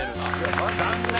［残念！